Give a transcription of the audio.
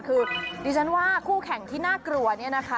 คือดิฉันว่าคู่แข่งที่น่ากลัวเนี่ยนะคะ